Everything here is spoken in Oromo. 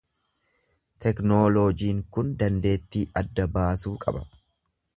Teknooloojiin kun dandeettii adda baasuu qaba.